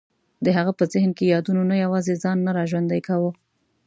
د هغه په ذهن کې یادونو نه یوازې ځان نه را ژوندی کاوه.